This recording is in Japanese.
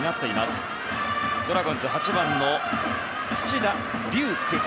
打席にはドラゴンズ８番の土田龍空。